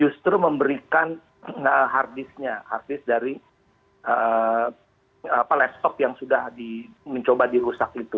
justru memberikan hard disknya hard disk dari laptop yang sudah mencoba dirusak itu